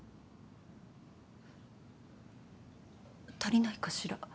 足りないかしら？